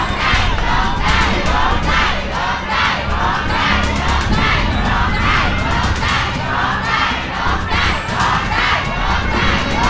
โรคได้โรคได้โรคได้โรคได้